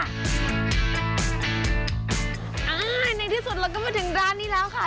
อ่าในที่สุดเราก็มาถึงร้านนี้แล้วค่ะ